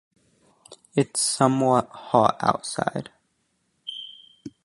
It's somewhat hot outside.